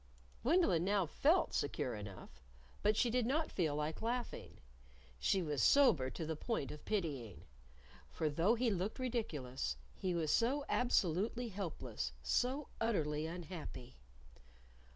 Gwendolyn now felt secure enough. But she did not feel like laughing. She was sober to the point of pitying. For though he looked ridiculous, he was so absolutely helpless, so utterly unhappy.